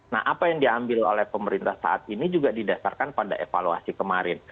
nah apa yang diambil oleh pemerintah saat ini juga didasarkan pada evaluasi kemarin